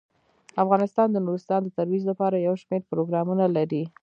افغانستان د نورستان د ترویج لپاره یو شمیر پروګرامونه لري.